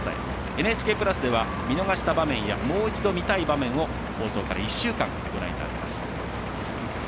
ＮＨＫプラスでは見逃した場面やもう一度見たい場面を放送から１週間ご覧いただけます。